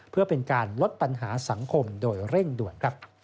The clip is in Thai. เพื่อเป็นการลดปัญหาสังคมโดยเร่งด่วน